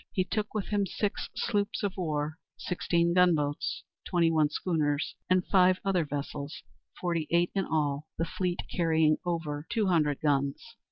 He took with him six sloops of war, sixteen gunboats, twenty one schooners, and five other vessels, forty eight in all, the fleet carrying over two hundred guns.